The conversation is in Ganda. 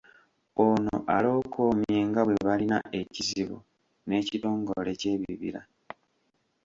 Ono alookomye nga bwe balina ekizibu n’ekitongole ky’ebibira.